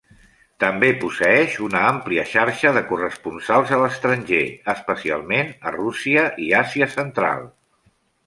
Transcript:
També posseeix una àmplia xarxa de corresponsals a l'estranger, especialment a Rússia i Àsia Central.